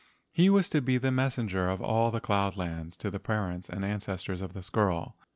He was to be the messenger to all the cloud lands of the parents and ancestors of this girl.